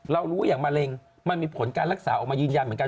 รู้อย่างมะเร็งมันมีผลการรักษาออกมายืนยันเหมือนกัน